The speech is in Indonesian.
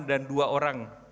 dan dua orang